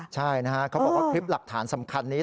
ใช่นะฮะเขาบอกว่าคลิปหลักฐานสำคัญนี้